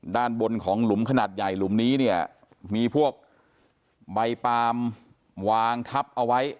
ด้านบนของหลุมขนาดใหญ่หลุมนี้เนี่ยมีพวกใบปาล์มวางทับเอาไว้